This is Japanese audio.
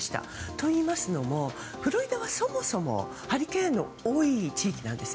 といいますのもフロリダはそもそもハリケーンの多い地域なんです。